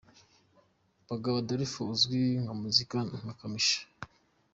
Bagabo Adolphe uzwi muri muzika nka Kamichi.